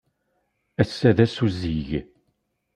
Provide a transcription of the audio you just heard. Ass-a d ass uzzig.